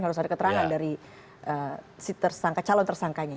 harus ada keterangan dari calon tersangkanya